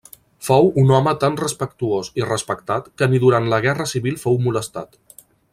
Fou un home tan respectuós i respectat que ni durant la guerra civil fou molestat.